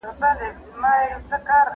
د مرګ سره ډغري وهي